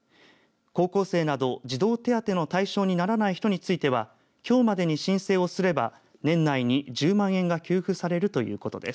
高校生など児童手当の対象にならない人についてはきょうまでに申請をすれば年内に１０万円が給付されるということです。